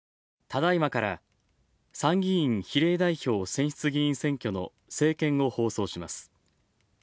ただいまから参議院比例代表選出議員選挙の政見を放送します。